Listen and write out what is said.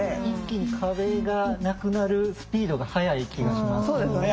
一気に壁がなくなるスピードが速い気がします。